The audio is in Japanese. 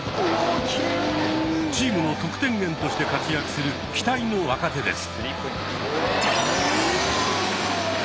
チームの得点源として活躍する期待の若手です。